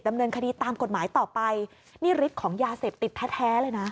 ดำเนินคดีตามกฎหมายต่อไปนี่ฤทธิ์ของยาเสพติดแท้แท้เลยนะ